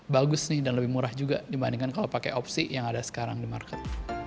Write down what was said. bagus nih dan lebih murah juga dibandingkan kalau pakai opsi yang ada sekarang di market